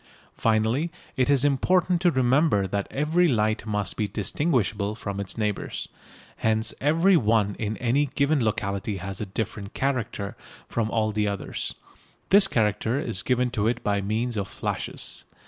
Finally, it is important to remember that every light must be distinguishable from its neighbours. Hence every one in any given locality has a different "character" from all the others. This character is given to it by means of flashes.